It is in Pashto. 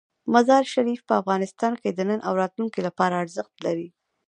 مزارشریف په افغانستان کې د نن او راتلونکي لپاره ارزښت لري.